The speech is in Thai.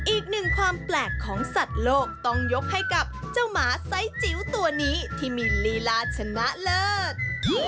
อีกหนึ่งความแปลกของสัตว์โลกต้องยกให้กับเจ้าหมาไซสจิ๋วตัวนี้ที่มีลีลาชนะเลิศ